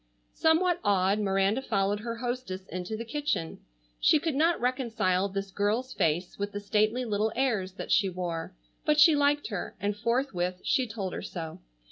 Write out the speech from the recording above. Somewhat awed, Miranda followed her hostess into the kitchen. She could not reconcile this girl's face with the stately little airs that she wore, but she liked her and forthwith she told her so.